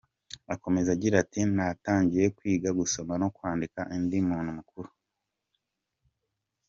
Akomeza agira ati “Natangiye kwiga gusoma no kwandika ndi umuntu mukuru.